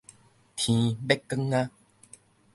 天欲光矣